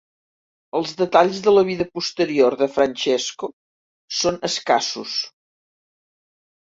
Els detalls de la vida posterior de Francesco són escassos.